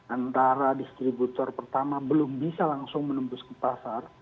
antara distributor pertama belum bisa langsung menembus ke pasar